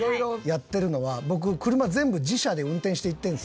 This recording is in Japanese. やってるのは僕車全部自車で運転して行ってるんですよ。